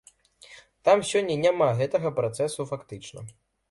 Там сёння няма гэтага працэсу фактычна.